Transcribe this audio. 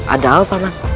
ada apa pak man